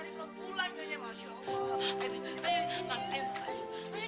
tuh dia ada di situ